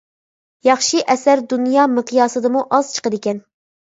ياخشى ئەسەر دۇنيا مىقياسىدىمۇ ئاز چىقىدىكەن.